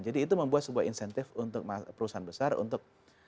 jadi itu membuat sebuah insentif untuk perusahaan besar untuk